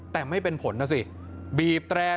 แต่ไม่เป็นผลนะสิบีบแตร่